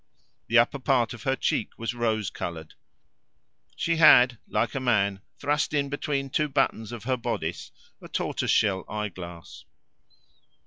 The upper part of her cheek was rose coloured. She had, like a man, thrust in between two buttons of her bodice a tortoise shell eyeglass.